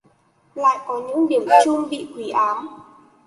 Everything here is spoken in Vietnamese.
lại có những điểm chung yếu bị quỷ ám